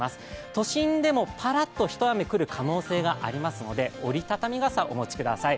都心でもパラッと一雨くる可能性がありますので、折り畳み傘お持ちください。